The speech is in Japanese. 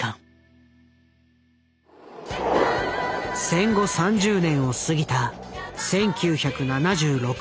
戦後３０年を過ぎた１９７６年の日本。